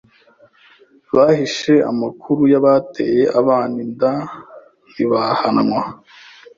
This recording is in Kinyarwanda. bahishe amakuru y’abateye abana inda ntibahanwa.